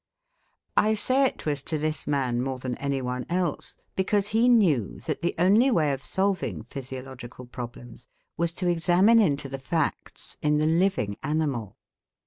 I say it was to this man more than any one else, because he knew that the only way of solving physiological problems was to examine into the facts in the living animal.